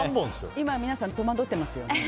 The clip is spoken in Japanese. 今皆さん、戸惑っていますよね。